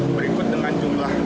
berikut dengan jumlah penipuan